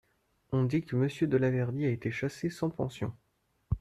On dit que Monsieur de Laverdy a été chassé sans pension.